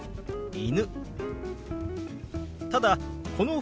「犬」。